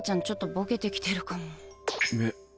ちょっとボケてきてるかも。